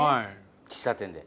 喫茶店で。